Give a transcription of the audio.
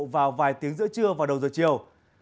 vào vài tiếng giữa trưa và đầu giờ chiều